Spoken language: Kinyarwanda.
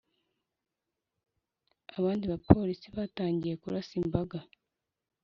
abandi bapolisi batangiye kurasa imbaga.